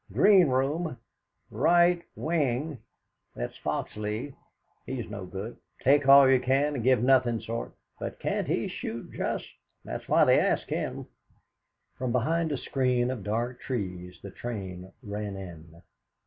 Green room, right wing that Foxleigh; he's no good. 'Take all you can and give nothing' sort! But can't he shoot just! That's why they ask him!" From behind a screen of dark trees the train ran in.